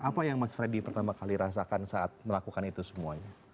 apa yang mas freddy pertama kali rasakan saat melakukan itu semuanya